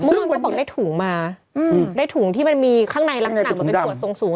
เมื่อวานก็บอกได้ถุงมาได้ถุงที่มันมีข้างในลักษณะมันเป็นขวดทรงสูง